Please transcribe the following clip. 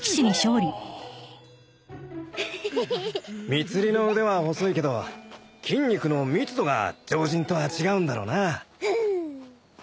蜜璃の腕は細いけど筋肉の密度が常人とは違うんだろうな。